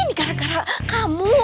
ini gara gara kamu